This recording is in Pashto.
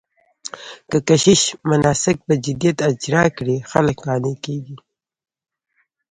که کشیش مناسک په جديت اجرا کړي، خلک قانع کېږي.